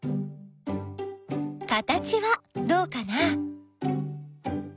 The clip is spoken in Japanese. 形はどうかな？